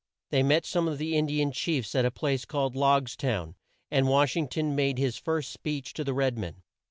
They met some of the In di an chiefs at a place called Logs town and Wash ing ton made his first speech to the red men.